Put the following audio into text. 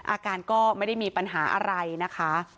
อาการก็ไม่ได้มีปัญหาอะไรนะคะ